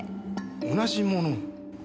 同じものを？